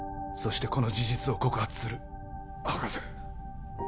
そしてこの事実を告発する博士